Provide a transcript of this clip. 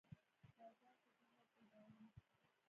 بازار کې زهر دی دوانشته